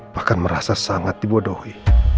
bahkan merasa sangat dibodohi